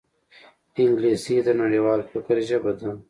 انګلیسي د نړیوال فکر ژبه ده